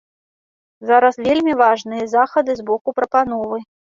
Зараз вельмі важныя захады з боку прапановы.